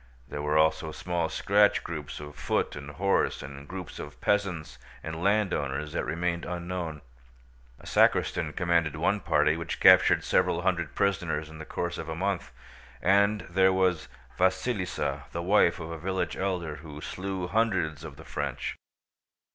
There were also small scratch groups of foot and horse, and groups of peasants and landowners that remained unknown. A sacristan commanded one party which captured several hundred prisoners in the course of a month; and there was Vasílisa, the wife of a village elder, who slew hundreds of the French.